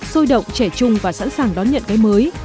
sôi động trẻ trung và sẵn sàng đón nhận cái mới